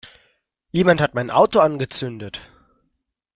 Jemand hat mein Auto angezündet!